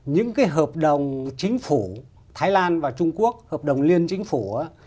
những cái hợp đồng chính phủ thái lan và trung quốc hợp đồng liên chính phủ